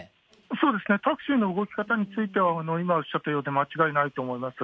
そうですね、タクシーの動き方については今、おっしゃったようで間違いないと思います。